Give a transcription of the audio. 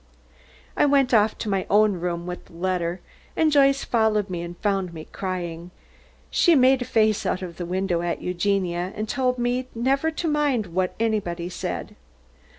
I went off to my own room with the letter, and Joyce followed me and found me crying. She made a face out of the window at Eugenia, and told me never to mind what anybody said.